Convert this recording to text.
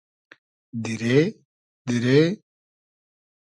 دیرې؟ دیرې؟